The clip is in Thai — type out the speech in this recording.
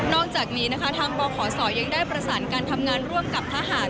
อกจากนี้นะคะทางบขศยังได้ประสานการทำงานร่วมกับทหาร